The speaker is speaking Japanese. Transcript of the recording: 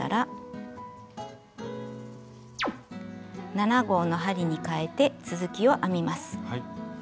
７／０号の針にかえて続きを編みます。